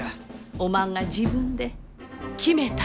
おまんが自分で決めたらえい。